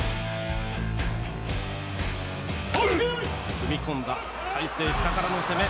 踏み込んだ魁聖、下からの攻め。